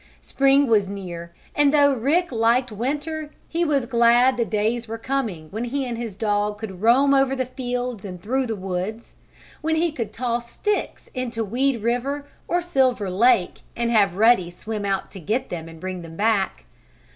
Spring was near and though Rick liked winter he was glad the days were coming when he and his dog could roam over the fields and through the woods; when he could toss sticks into Weed River or Silver Lake, and have Ruddy swim out to get them and bring them back.